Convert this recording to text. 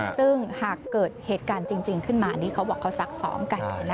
ซึ่งหากเกิดเหตุการณ์จริงขึ้นมาอันนี้เขาบอกเขาซักซ้อมกัน